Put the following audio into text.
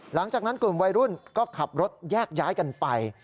หลังจากนั้นกลุ่มวัยรุ่นก็ขับรถแยกย้ายกันไป